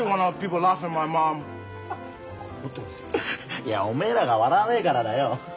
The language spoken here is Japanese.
いやおめえらが笑わねえからだよ。